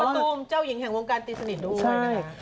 ตูมเจ้าหญิงแห่งวงการตีสนิทด้วยนะคะ